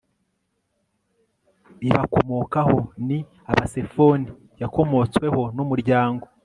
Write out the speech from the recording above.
ibakomokaho ni aba Sefoni yakomotsweho n umuryango